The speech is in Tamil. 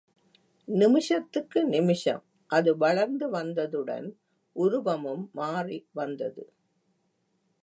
நிமிஷத்துக்கு நிமிஷம் அது வளர்ந்து வந்ததுடன் உருவமும் மாறி வந்தது.